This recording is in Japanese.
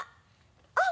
あっ！